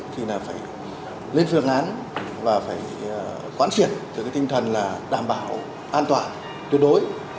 thì là phải lên phương án và phải quán triệt từ cái tinh thần là đảm bảo an toàn tuyệt đối